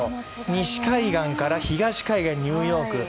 西海岸から東海岸、ニューヨーク。